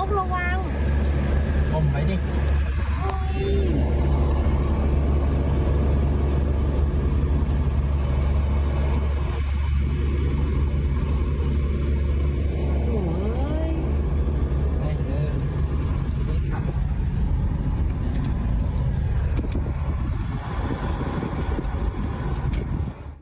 แม่เธอชิคกี้พาย